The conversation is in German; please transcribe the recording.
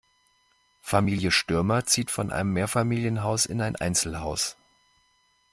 Familie Stürmer zieht von einem Mehrfamilienhaus in ein Einzelhaus.